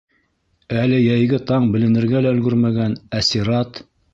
Әле йәйге таң беленергә лә өлгөрмәгән, ә сират...